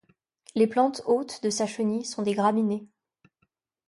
Les plantes hôtes de sa chenille sont des graminées.